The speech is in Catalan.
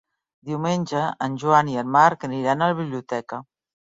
Diumenge en Joan i en Marc aniran a la biblioteca.